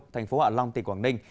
thành phố hạ long tỉnh quảng ninh